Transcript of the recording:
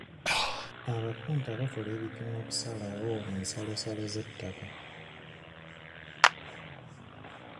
Abapunta bakola ebipimo okusalawo ensalosalo z'ettako.